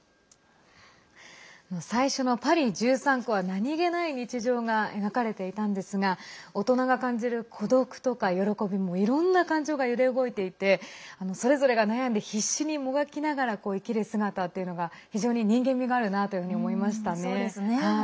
最初の「パリ１３区」は何気ない日常が描かれていたんですが大人が感じる孤独とか、喜びいろんな感情が揺れ動いていてそれぞれが悩んで、必死にもがきながら生きる姿というのが非常に人間味があるなというふうに思いましたね。